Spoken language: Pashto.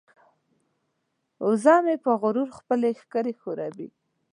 وزه مې په غرور خپلې ښکرې ښوروي.